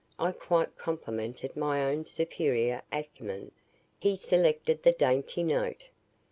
I quite complimented my own superior acumen. He selected the dainty note.